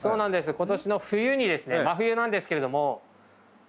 今年の冬にですね真冬なんですけれども何だ？